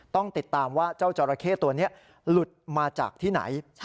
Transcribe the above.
ต้องติดตามว่าเจ้าจอราเข้ตัวนี้หลุดมาจากที่ไหน